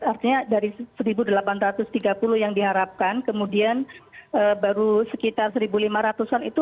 artinya dari satu delapan ratus tiga puluh yang diharapkan kemudian baru sekitar satu lima ratus an itu